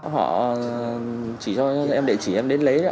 họ chỉ cho em địa chỉ em đến lấy